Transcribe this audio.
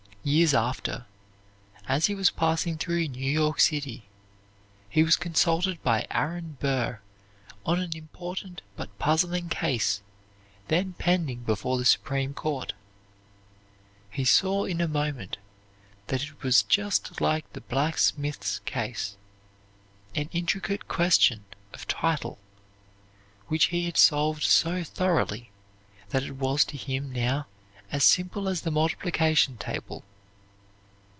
Years after, as he was passing through New York City, he was consulted by Aaron Burr on an important but puzzling case then pending before the Supreme Court. He saw in a moment that it was just like the blacksmith's case, an intricate question of title, which he had solved so thoroughly that it was to him now as simple as the multiplication table.